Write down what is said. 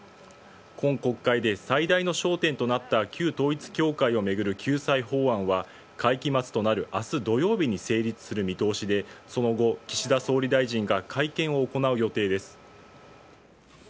今国会で最大の焦点となった旧統一教会を巡る救済法案は会期末となる明日土曜日に成立する見通しでその後、岸田総理大臣が会見を行う予定です。